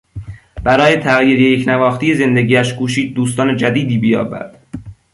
برای تغییر یکنواختی زندگیاش کوشید دوستان جدیدی بیابد.